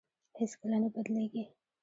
هېڅ کله نه بدلېږي.